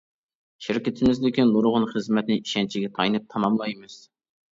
شىركىتىمىزدىكى نۇرغۇن خىزمەتنى ئىشەنچكە تايىنىپ تاماملايمىز.